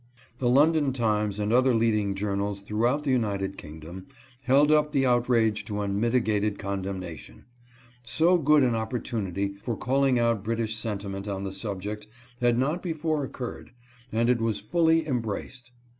The London Times and other leading journals throughout the United Kingdom held up the out rage to unmitigated condemnation. So good an opportu nity for calling out British sentiment on the subject had not before occurred, and it was fully embraced.